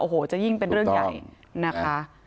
โอ้โหจะยิ่งเป็นเรื่องใหญ่นะคะ